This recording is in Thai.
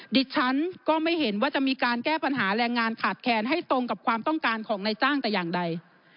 ดิฉันก็ไม่เห็นว่าจะมีการแก้ปัญหาแรงงานขาดแคลนให้ตรงกับความต้องการของนายจ้างแต่อย่างใด